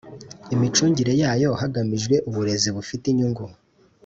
imicungire yayo hagamijwe uburezi bufite inyungu